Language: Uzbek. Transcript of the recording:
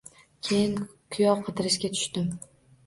Keyin kuyov qidirishga tushdim